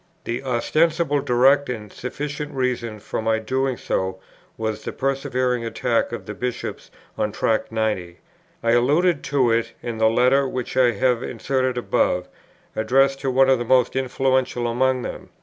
The ostensible, direct, and sufficient reason for my doing so was the persevering attack of the Bishops on Tract 90. I alluded to it in the letter which I have inserted above, addressed to one of the most influential among them.